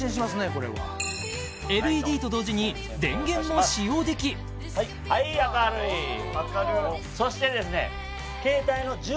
これはＬＥＤと同時に電源も使用できはい明るいそしてですね